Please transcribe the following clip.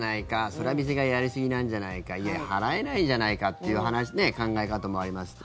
それは店側やりすぎなんじゃないかいや、払えないじゃないかっていう考え方もありますと。